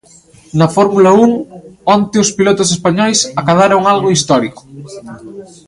Na Fórmula un, onte os pilotos españois acadaron algo histórico.